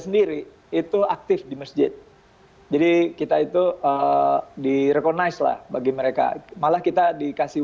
sendiri itu aktif di masjid ini kita itu direkonnaislah bagi mereka malah kita dikasih